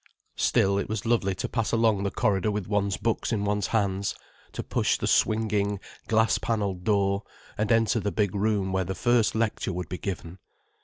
Still, it was lovely to pass along the corridor with one's books in one's hands, to push the swinging, glass panelled door, and enter the big room where the first lecture would be given.